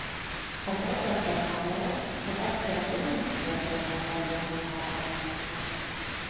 Az egyes beszámolók azt ezt követően történtekben térnek el egymástól.